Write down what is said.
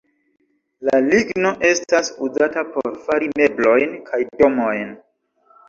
La ligno estas uzata por fari meblojn kaj domojn.